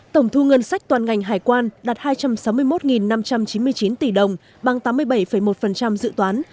tổng thu ngân sách toàn ngành hải quan đạt hai trăm sáu mươi một năm trăm chín mươi chín tỷ đồng bằng tám mươi bảy một dự toán